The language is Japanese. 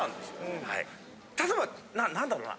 例えば何だろうな？